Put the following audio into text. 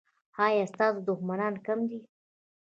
ایا ستاسو دښمنان کم دي؟